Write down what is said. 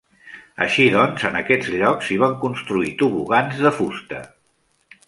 Així doncs, en aquests llocs s'hi van construir tobogans de fusta.